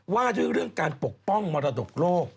ว่าด้วยเรื่องการปกป้องมรดกโลก